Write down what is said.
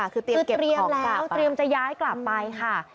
คือเตรียมเก็บของกลับไปคือเตรียมแล้วเตรียมจะย้ายกลับไปค่ะ